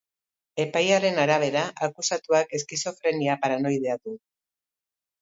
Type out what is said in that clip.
Epaiaren arabera, akusatuak eskizofrenia paranoidea du.